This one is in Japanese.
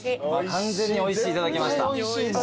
完全においしい頂きました。